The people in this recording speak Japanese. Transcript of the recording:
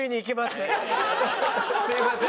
すいません。